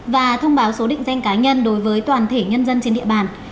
và thông báo số định danh cá nhân đối với toàn thể nhân dân trên địa bàn